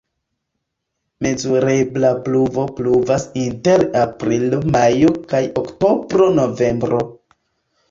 Mezurebla pluvo pluvas inter aprilo-majo kaj oktobro-novembro.